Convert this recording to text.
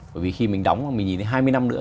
bởi vì khi mình đóng mình nhìn thấy hai mươi năm nữa